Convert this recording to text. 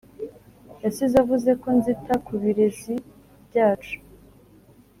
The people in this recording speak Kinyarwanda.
yasize avuze ko nzita ku birezi byacu